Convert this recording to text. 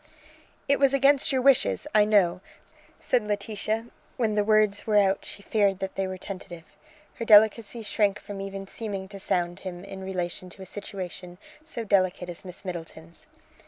"It was against your wishes, I know," said Laetitia, and when the words were out she feared that they were tentative. Her delicacy shrank from even seeming to sound him in relation to a situation so delicate as Miss Middleton's.